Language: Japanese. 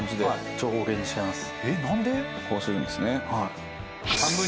はい。